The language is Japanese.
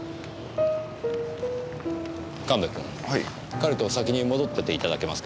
彼と先に戻ってていただけますか。